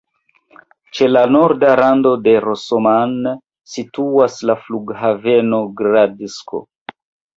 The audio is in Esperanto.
Ĉe la norda rando de Rosoman situas la Flughaveno Gradsko.